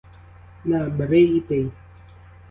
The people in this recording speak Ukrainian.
На, бери і пий!